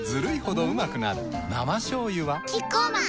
生しょうゆはキッコーマン